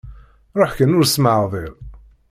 Ruḥ kan ur smeεḍil.